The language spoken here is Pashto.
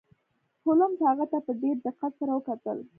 هولمز هغه ته په ډیر دقت سره وکتل.